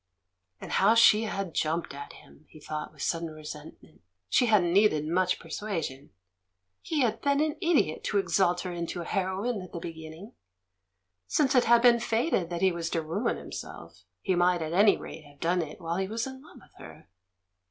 And how she had jumped at him, he thought with sudden resentment; she hadn't needed much persuasion! Pie had been an idiot to exalt her into a heroine at the beginning — since it had been fated that he was to ruin himself, he might at any rate have done it while he was in love with her!